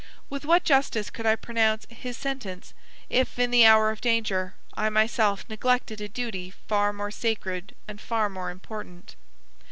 With what justice could I pronounce his sentence, if, in the hour of danger, I myself neglected a duty far more sacred and far more important?